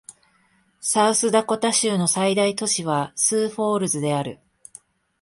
サウスダコタ州の最大都市はスーフォールズである